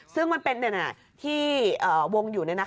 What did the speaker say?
ซึ่งมันเป็นที่วงอยู่นี่นะคะ